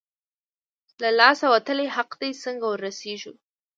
له لاسه وتلی حق دی، څنګه ورسېږو؟